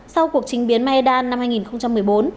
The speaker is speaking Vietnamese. sau cuộc trình biến maydan năm hai nghìn một mươi bốn